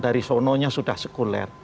dari sononya sudah sekuler